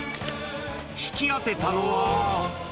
引き当てたのは。